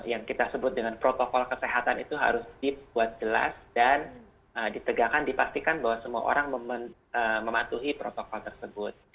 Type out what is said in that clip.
yang kita sebut dengan protokol kesehatan itu harus dibuat jelas dan ditegakkan dipastikan bahwa semua orang mematuhi protokol tersebut